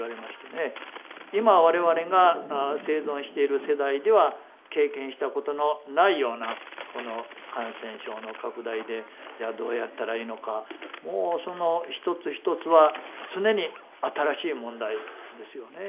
今我々が生存している世代では経験したことのないようなこの感染症の拡大でじゃあどうやったらいいのかもうその一つ一つは常に新しい問題ですよね。